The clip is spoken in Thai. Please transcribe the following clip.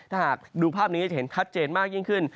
ถ้าหากดูภาพนี้จะเห็นชัดเจนมากยิ่งขึ้น